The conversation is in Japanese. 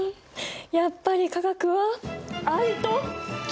やっぱり化学は愛と情熱！